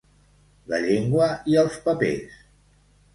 La llengua i els papers.